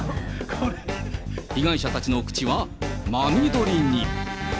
被害者たちの口は真緑に。